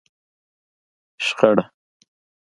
شخړه